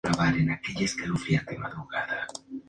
Ricardo Ayala "El Anti" haría el video del tema "Lentes Amarillos".